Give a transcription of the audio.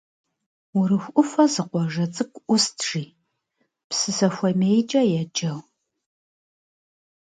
Урыху ӏуфэ зы къуажэ цӏыкӏу ӏуст, жи, Псысэхуэмейкӏэ еджэу.